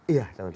iya tahun lalu